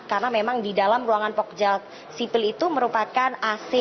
karena memang di dalam ruangan pogja sipil itu merupakan ac